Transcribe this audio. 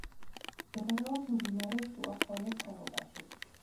მდებარეობს მდინარე შუა ფრონის ხეობაში.